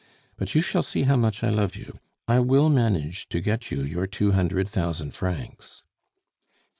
But you shall see how much I love you. I will manage to get you your two hundred thousand francs."